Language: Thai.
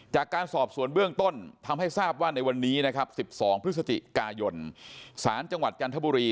จากการสอบสวนเบื้องต้นทำให้ทราบว่าในวันนี้นะครับ๑๒พฤศจิกายนสารจังหวัดจันทบุรี